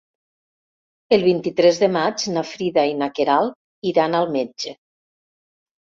El vint-i-tres de maig na Frida i na Queralt iran al metge.